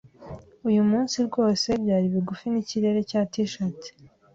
Uyu munsi rwose byari bigufi nikirere cya T-shirt.